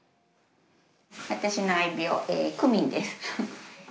私の愛猫クミンです。